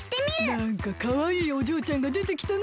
なんかかわいいおじょうちゃんがでてきたな。